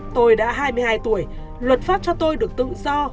tôi đã hai mươi hai tuổi luật pháp cho tôi được tự do